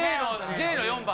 Ｊの４番。